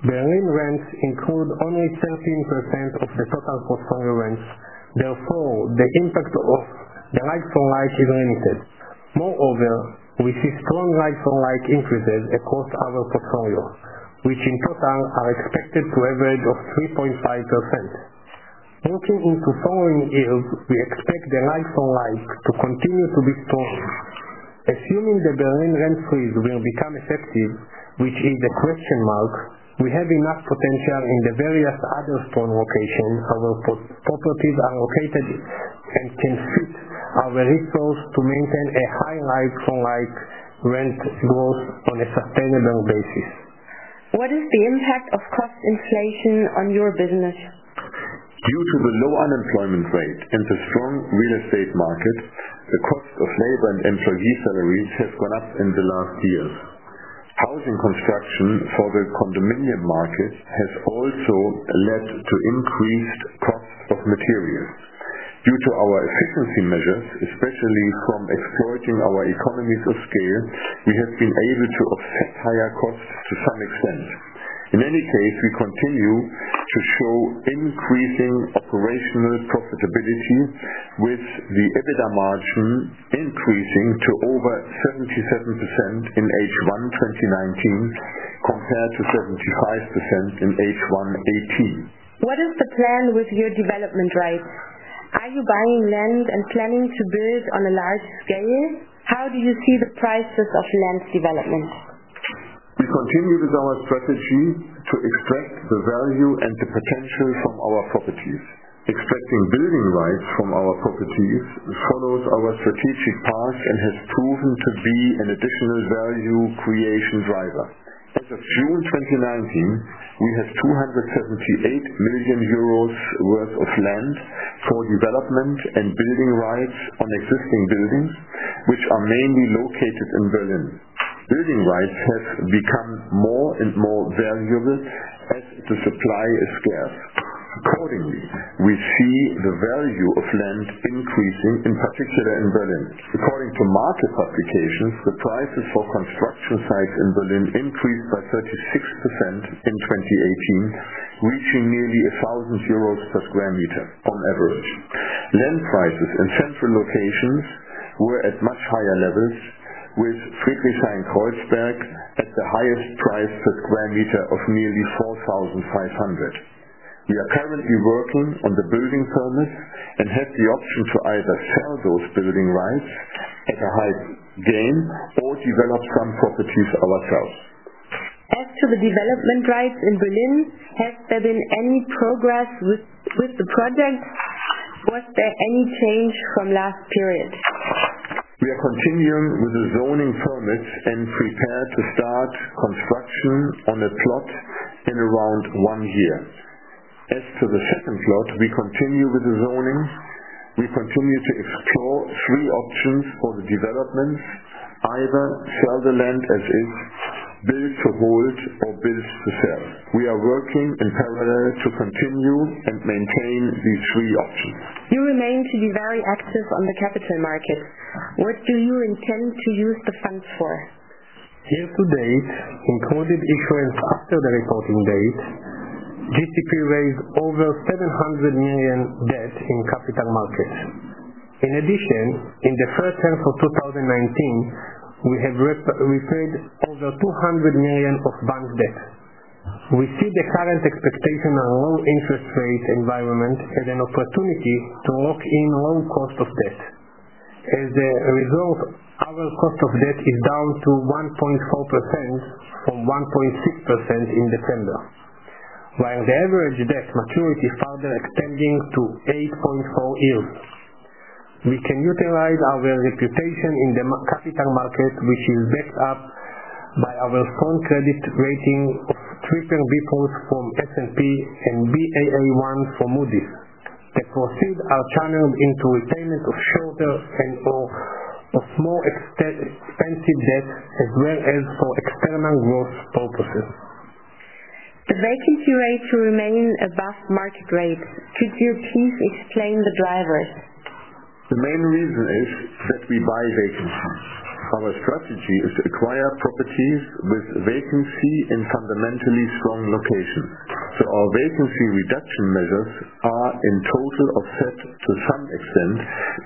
Berlin rents include only 13% of the total portfolio rents. Therefore, the impact of the like-for-like is limited. Moreover, we see strong like-for-like increases across our portfolio, which in total are expected to average of 3.5%. Looking into following years, we expect the like-for-like to continue to be strong. Assuming the Berlin rent freeze will become effective, which is a question mark, we have enough potential in the various other strong locations our properties are located and can fit our risk force to maintain a high like-for-like rent growth on a sustainable basis.
What is the impact of cost inflation on your business?
Due to the low unemployment rate and the strong real estate market, the cost of labor and employee salaries has gone up in the last years. Housing construction for the condominium market has also led to increased cost of materials. Due to our efficiency measures, especially from exploiting our economies of scale, we have been able to offset higher costs to some extent. In any case, we continue to show increasing operational profitability, with the EBITDA margin increasing to over 77% in H1 2019 compared to 75% in H1 2018.
What is the plan with your development rates? Are you buying land and planning to build on a large scale? How do you see the prices of land development?
We continue with our strategy to extract the value and the potential from our properties. Extracting building rights from our properties follows our strategic path and has proven to be an additional value creation driver. As of June 2019, we had 278 million euros worth of land for development and building rights on existing buildings, which are mainly located in Berlin. Building rights have become more and more valuable as the supply is scarce. Accordingly, we see the value of land increasing, in particular in Berlin. According to market publications, the prices for construction sites in Berlin increased by 36% in 2018, reaching nearly 1,000 euros per square meter on average. Land prices in central locations were at much higher levels, with Friedrichshain/Kreuzberg at the highest price per square meter of nearly 4,500. We are currently working on the building permits and have the option to either sell those building rights at a high gain or develop some properties ourselves.
As to the development rights in Berlin, has there been any progress with the project? Was there any change from last period?
We are continuing with the zoning permits and prepare to start construction on a plot in around one year. As to the second plot, we continue with the zoning. We continue to explore three options for the development, either sell the land as is, build to hold, or build to sell. We are working in parallel to continue and maintain these three options.
You remain to be very active on the capital markets. What do you intend to use the funds for?
Year to date, including issuance after the reporting date, GCP raised over 700 million debt in capital markets. In addition, in the first half of 2019, we have repaid over 200 million of bank debt. We see the current expectation of low interest rate environment as an opportunity to lock in low cost of debt. As a result, our cost of debt is down to 1.4% from 1.6% in December, while the average debt maturity is further extending to 8.4 years. We can utilize our reputation in the capital market, which is backed up by our strong credit rating of BBB+ from S&P and Baa1 from Moody's. The proceeds are channeled into retirement of shorter and/or of more expensive debt, as well as for external growth purposes.
The vacancy rates remain above market rate. Could you please explain the drivers?
The main reason is that we buy vacancies. Our strategy is to acquire properties with vacancy in fundamentally strong locations. Our vacancy reduction measures are in total offset to some extent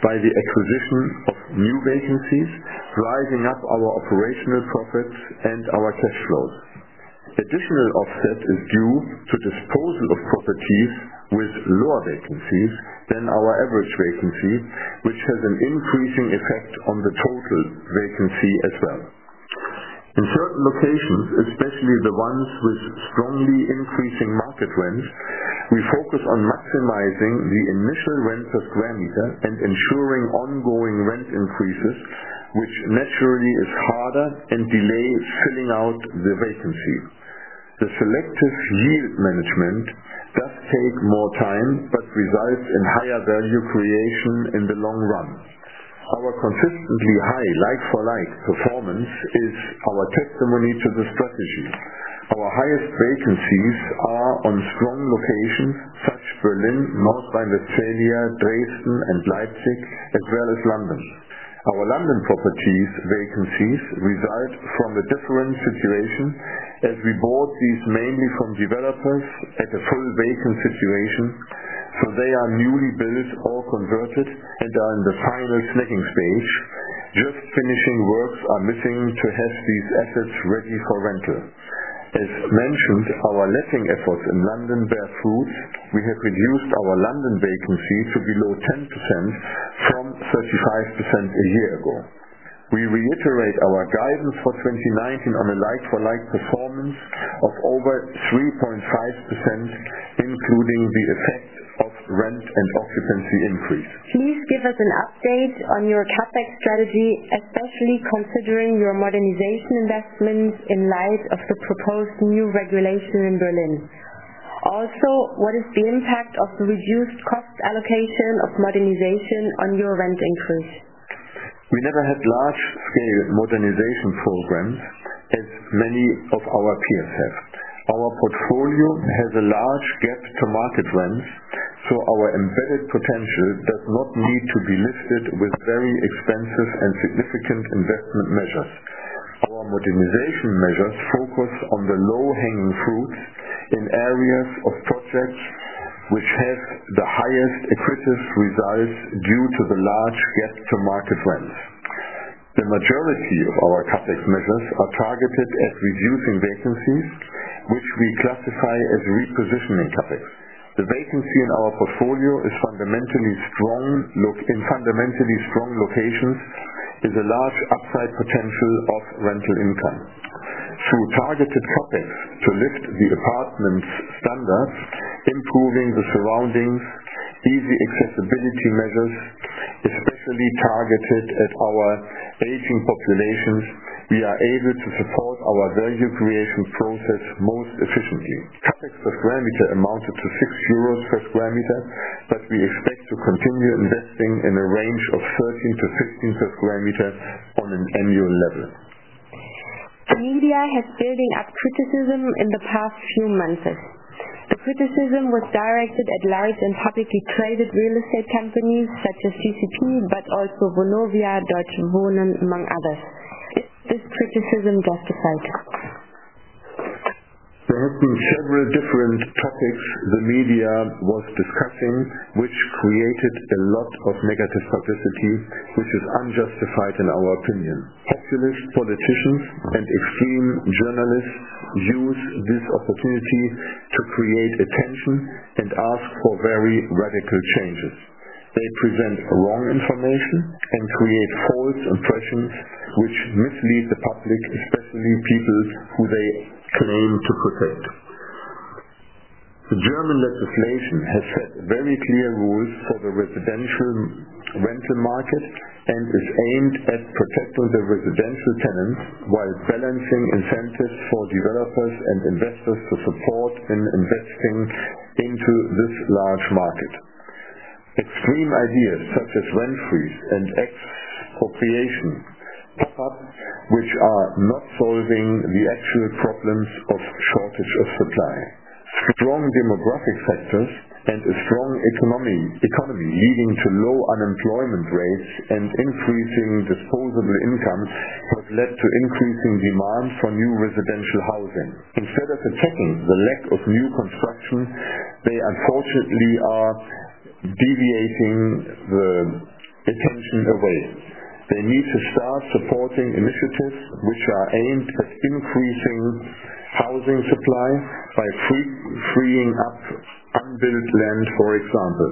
by the acquisition of new vacancies, driving up our operational profits and our cash flows. Additional offset is due to disposal of properties with lower vacancies than our average vacancy, which has an increasing effect on the total vacancy as well. In certain locations, especially the ones with strongly increasing market rents, we focus on maximizing the initial rent per square meter and ensuring ongoing rent increases, which naturally is harder and delays filling out the vacancy. The selective yield management does take more time, but results in higher value creation in the long run. Our consistently high like-for-like performance is our testimony to the strategy. Our highest vacancies are on strong locations such Berlin, North Rhine-Westphalia, Dresden, and Leipzig, as well as London. Our London properties vacancies result from a different situation as we bought these mainly from developers at a full vacant situation, so they are newly built or converted and are in the final letting stage. Just finishing works are missing to have these assets ready for rental. As mentioned, our letting efforts in London bear fruit. We have reduced our London vacancy to below 10% from 35% a year ago. We reiterate our guidance for 2019 on a like-for-like performance of over 3.5%, including the effect of rent and occupancy increase.
Please give us an update on your CapEx strategy, especially considering your modernization investments in light of the proposed new regulation in Berlin. What is the impact of the reduced cost allocation of modernization on your rent increase?
We never had large-scale modernization programs as many of our peers have. Our portfolio has a large gap to market rents, so our embedded potential does not need to be lifted with very expensive and significant investment measures. Our modernization measures focus on the low-hanging fruit in areas of projects which have the highest accretive results due to the large gap to market rents. The majority of our CapEx measures are targeted at reducing vacancies which we classify as repositioning topics. The vacancy in our portfolio is in fundamentally strong locations, is a large upside potential of rental income. Through targeted topics to lift the apartment's standard, improving the surroundings, easy accessibility measures, especially targeted at our aging population, we are able to support our value creation process most efficiently. CapEx per square meter amounted to €6 per square meter. We expect to continue investing in a range of 13-15 per square meter on an annual level.
The media has building up criticism in the past few months. The criticism was directed at large and publicly traded real estate companies such as GCP, but also Vonovia, Deutsche Wohnen, among others. Is this criticism justified?
There have been several different topics the media was discussing, which created a lot of negative publicity, which is unjustified in our opinion. Populist politicians and extreme journalists use this opportunity to create attention and ask for very radical changes. They present wrong information and create false impressions, which mislead the public, especially people who they claim to protect. The German legislation has set very clear rules for the residential rental market and is aimed at protecting the residential tenant while balancing incentives for developers and investors to support in investing into this large market. Extreme ideas such as rent freeze and expropriation pop up, which are not solving the actual problems of shortage of supply. Strong demographic factors and a strong economy, leading to low unemployment rates and increasing disposable income, have led to increasing demand for new residential housing. Instead of attacking the lack of new construction, they unfortunately are deviating the attention away. They need to start supporting initiatives which are aimed at increasing housing supply by freeing up unbuilt land, for example,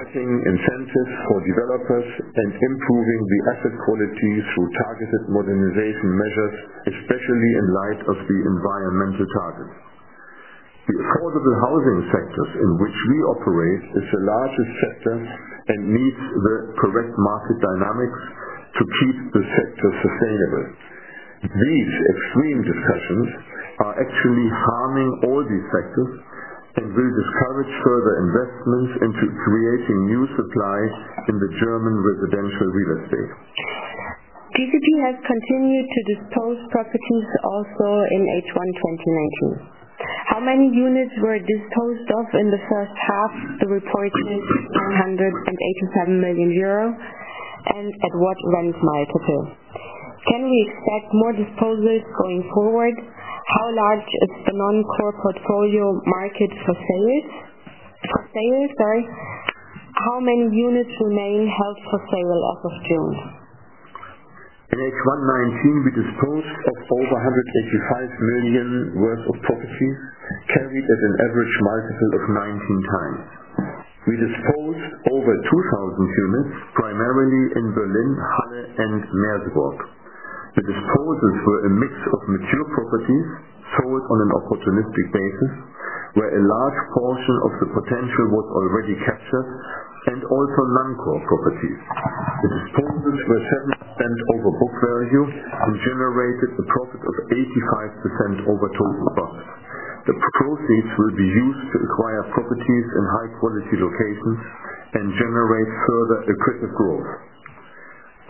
setting incentives for developers, and improving the asset quality through targeted modernization measures, especially in light of the environmental targets. The affordable housing sectors in which we operate is the largest sector and needs the correct market dynamics to keep the sector sustainable. These extreme discussions are actually harming all these sectors and will discourage further investments into creating new supply in the German residential real estate.
GCP has continued to dispose properties also in H1 2019. How many units were disposed of in the first half? The report says 187 million euro, and at what rent multiple? Can we expect more disposals going forward? How large is the non-core portfolio market for sales? How many units remain held for sale as of June?
In H1 2019, we disposed of over 185 million worth of properties, carried at an average multiple of 19 times. We disposed over 2,000 units, primarily in Berlin, Halle, and Merseburg. The disposals were a mix of mature properties sold on an opportunistic basis, where a large portion of the potential was already captured, and also non-core properties. The disposals were 7% over book value and generated a profit of 85% over total cost. The proceeds will be used to acquire properties in high-quality locations and generate further accretive growth.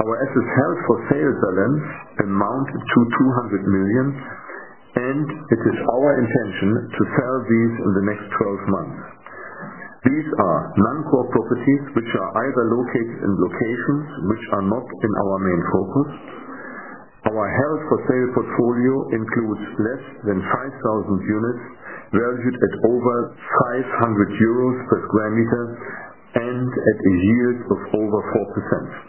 Our assets held for sale balance amounted to 200 million, and it is our intention to sell these in the next 12 months. These are non-core properties which are either located in locations which are not in our main focus. Our held for sale portfolio includes less than 5,000 units valued at over 500 euros per square meter and at a yield of over 4%.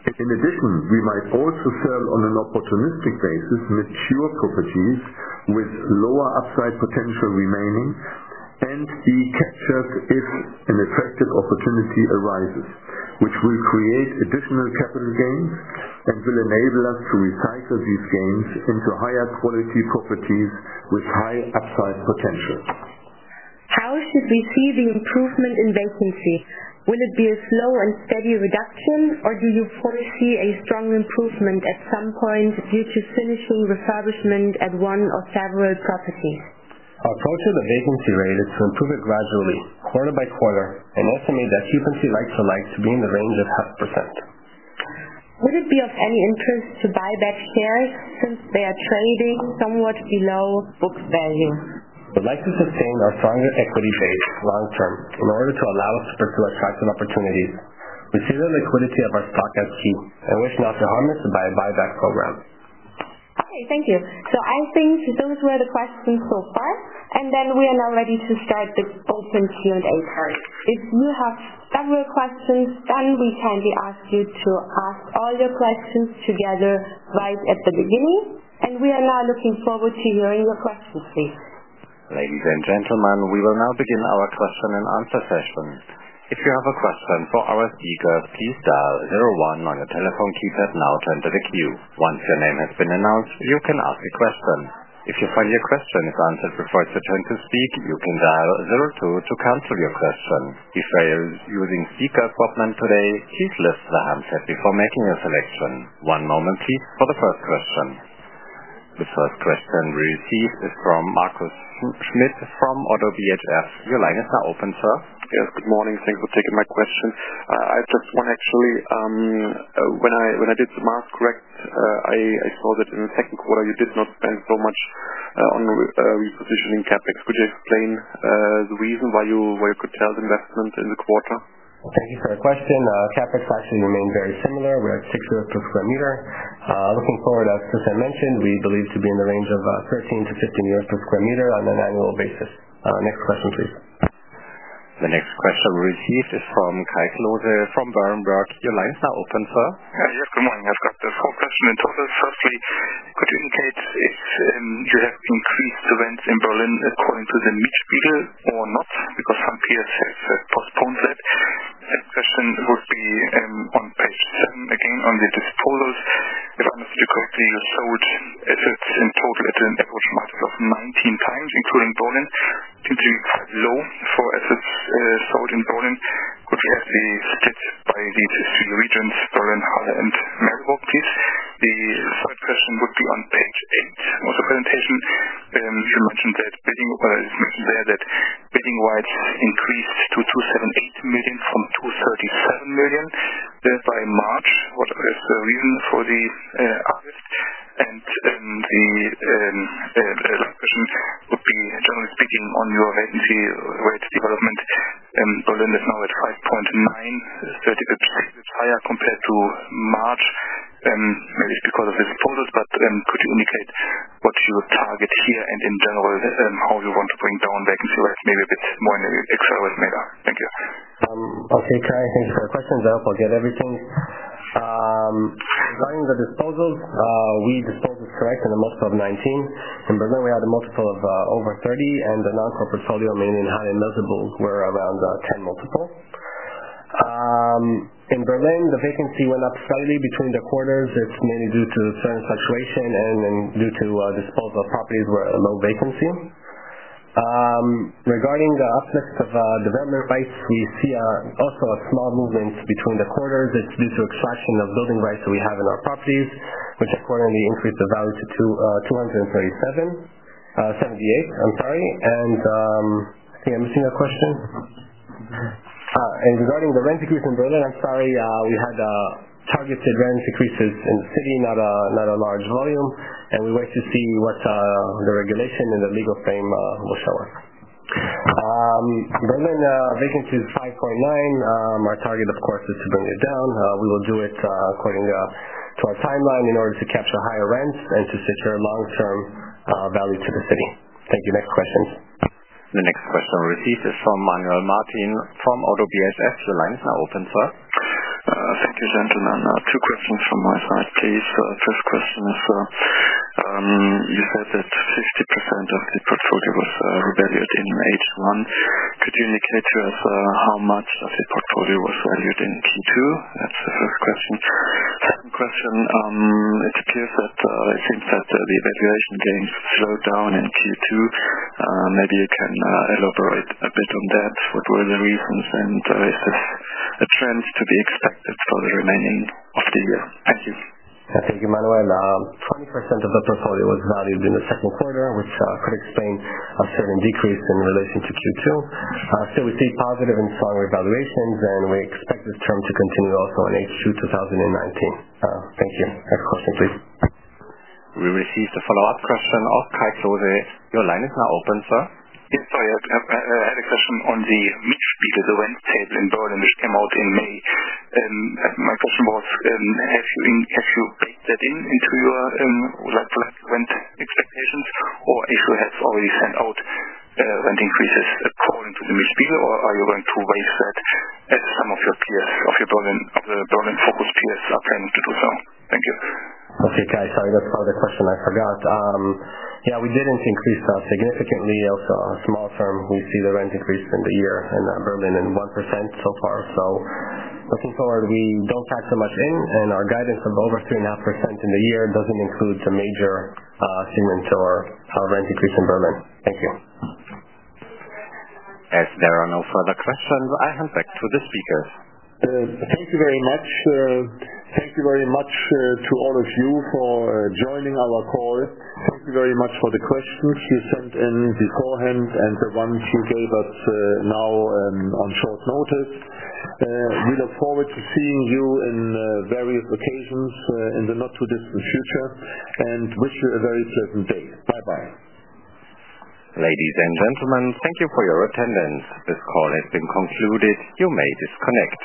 We might also sell, on an opportunistic basis, mature properties with lower upside potential remaining and be captured if an effective opportunity arises, which will create additional capital gains and will enable us to recycle these gains into higher quality properties with high upside potential.
How should we see the improvement in vacancy? Will it be a slow and steady reduction, or do you foresee a strong improvement at some point due to finishing refurbishment at one of several properties?
Our approach to the vacancy rate is to improve it gradually quarter by quarter and estimate that vacancy like-for-like to be in the range of half %.
Would it be of any interest to buy back shares since they are trading somewhat below book value?
We'd like to sustain our stronger equity base long term in order to allow us to pursue attractive opportunities. We see the liquidity of our stock as key, and wish not to harm it by a buyback program.
Okay, thank you. I think those were the questions so far, we are now ready to start the open Q&A part. If you have several questions, then we kindly ask you to ask all your questions together right at the beginning, and we are now looking forward to hearing your questions please.
Ladies and gentlemen, we will now begin our question and answer session. If you have a question for our speakers, please dial 01 on your telephone keypad now to enter the queue. Once your name has been announced, you can ask a question. If you find your question answered before it's your turn to speak, you can dial 02 to cancel your question. If you are using speakerphone today, please listen to the handset before making a selection. One moment please for the first question. The first question we received is from Marcus Schmidt from Oddo BHF. Your line is now open, sir.
Yes. Good morning. Thanks for taking my question. Actually, when I did the math, correct, I saw that in the second quarter, you did not spend so much on repositioning CapEx. Could you explain the reason why you curtailed investment in the quarter?
Thank you for the question. CapEx actually remained very similar. We are at 6 euros per square meter. Looking forward, as Christian mentioned, we believe to be in the range of 13-15 euros per square meter on an annual basis. Next question, please.
The next question received is from Kai Klose from Berenberg. Your lines are open, sir.
Yes, good morning. I have got four questions in total. Firstly, could you indicate if you have increased the rents in Berlin according to the Mietspiegel or not? Some peers have postponed that. Next question would be on page 10, again, on the disposals. If I understood correctly, you sold assets in total at an average multiple of 19 times, including Berlin. Seem to be quite low for assets sold in Berlin. Could we have the split by these two regions, Berlin and Mecklenburg, please? The third question would be on page eight of the presentation. You mentioned there that building rights increased to 278 million from 237 million there by March. What is the reason for the uplift? The last question would be, generally speaking, on your vacancy rate development. Berlin is now at 5.9, 30 basis points higher compared to March, maybe because of disposals. Could you indicate what you target here and in general, how you want to bring down vacancy rates maybe a bit more in the next 12 months later? Thank you.
Okay, Kai. Thank you for your questions. I hope I'll get everything. Regarding the disposals, we disposed it correct in a multiple of 19. In Berlin, we had a multiple of over 30, and the non-core portfolio, mainly in Halle and Leipzig, were around 10 multiple. In Berlin, the vacancy went up slightly between the quarters. It's mainly due to certain fluctuation and then due to disposal of properties were low vacancy. Regarding the uplift of development rights, we see also a small movement between the quarters. It's due to extraction of building rights that we have in our properties, which accordingly increased the value to 237. 278, I'm sorry. I think I'm missing a question. Regarding the rent increase in Berlin, I'm sorry, we had targeted rent increases in the city, not a large volume, and we wait to see what the regulation and the legal frame will show us. Berlin vacancy is 5.9. Our target, of course, is to bring it down. We will do it according to our timeline in order to capture higher rents and to secure long-term value to the city. Thank you. Next question.
The next question received is from Manuel Martin from Oddo BHF. The line is now open, sir.
Thank you, gentlemen. Two questions from my side, please. First question, sir. You said that 60% of the portfolio was revalued in H1. Could you indicate to us how much of the portfolio was valued in Q2? That's the first question. Second question, it appears that it seems that the valuation gains slowed down in Q2. Maybe you can elaborate a bit on that. What were the reasons? Is this a trend to be expected for the remaining of the year? Thank you.
Thank you, Manuel. 20% of the portfolio was valued in the second quarter, which could explain a certain decrease in relation to Q2. Still, we see positive and strong valuations. We expect this trend to continue also in H2 2019. Thank you. Next question, please.
We received a follow-up question of Kai Klose. Your line is now open, sir.
Yes, I had a question on the Mietspiegel, the rent table in Berlin, which came out in May. My question was, have you baked that in into your rent expectations? If you have already sent out rent increases according to the Mietspiegel, or are you going to raise that as some of your peers, of the Berlin-focused peers are planning to do so? Thank you.
Okay, Kai. Sorry, that's another question I forgot. Yeah, we didn't increase significantly. Also, small term, we see the rent increase in the year in Berlin in 1% so far. Looking forward, we don't factor much in, and our guidance of over 3.5% in the year doesn't include a major significant or rent increase in Berlin. Thank you.
As there are no further questions, I hand back to the speakers.
Thank you very much. Thank you very much to all of you for joining our call. Thank you very much for the questions you sent in beforehand and the ones you gave us now on short notice. We look forward to seeing you in various occasions in the not-too-distant future and wish you a very certain day. Bye-bye.
Ladies and gentlemen, thank you for your attendance. This call has been concluded. You may disconnect.